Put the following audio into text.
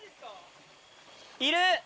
いる！